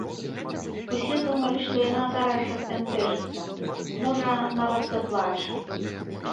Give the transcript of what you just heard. Усе думалі, што яна зараз жа збянтэжыцца, можа, нават заплача.